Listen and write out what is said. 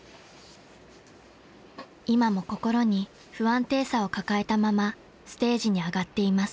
［今も心に不安定さを抱えたままステージに上がっています］